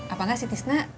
apakah si tisna